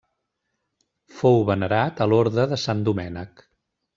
Fou venerat a l'Orde de Sant Domènec.